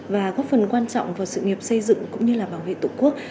và góp phần quan trọng vào sự nghiệp xây dựng cũng như là bảo vệ tổ quốc